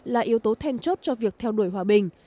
là yếu tố then chốt cho việc theo đuổi hòa bình